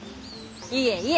いえいえ。